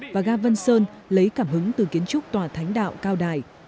và ga vân sơn lấy cảm hứng từ kiến trúc tòa thánh đạo cao đài